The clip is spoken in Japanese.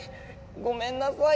ごめんなさい。